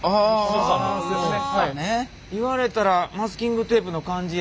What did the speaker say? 言われたらマスキングテープの感じや。